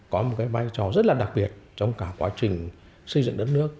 có một cái vai trò rất là đặc biệt trong cả quá trình xây dựng đất nước